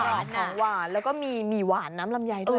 หวานของหวานแล้วก็มีหมี่หวานน้ำลำไยด้วย